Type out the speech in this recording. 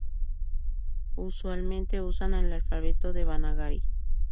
Usualmente usan el alfabeto devanagari.